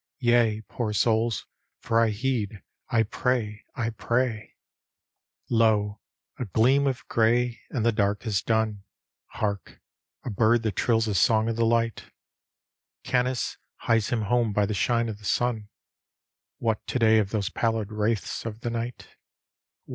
Yea, poor souls, for I heed ; I pray, I pray." D,gt,, erihyGOOgle Jll Soah' Night luo, SL gleam of gray, and the dark is done; Hark, a bird that trills a song of the light. Oanice hies him home by the shine of the sun. "What to day of those pallid wraiths of the night?